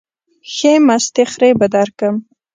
ښې مستې خرې به درکم.